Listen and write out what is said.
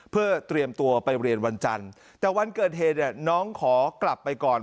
เพื่อเตรียมตัวไปเรียนวันจันทร์แต่วันเกิดเหตุเนี่ยน้องขอกลับไปก่อน